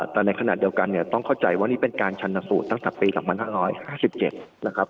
แต่ในขณะเดียวกันเนี่ยต้องเข้าใจว่านี่เป็นการชันสูตรตั้งแต่ปี๒๕๕๗นะครับ